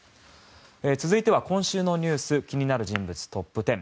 続いては今週の気になる人物トップ１０。